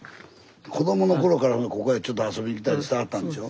子どもの頃からここへちょっと遊びに来たりしてはったんでしょ？